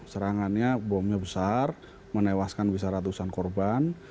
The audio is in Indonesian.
serangannya bomnya besar menewaskan bisa ratusan korban